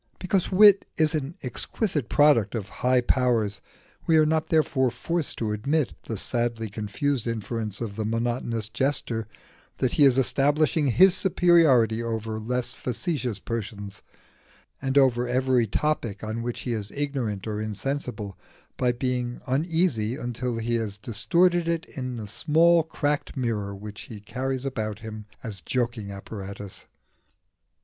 Because wit is an exquisite product of high powers, we are not therefore forced to admit the sadly confused inference of the monotonous jester that he is establishing his superiority over every less facetious person, and over every topic on which he is ignorant or insensible, by being uneasy until he has distorted it in the small cracked mirror which he carries about with him as a joking apparatus.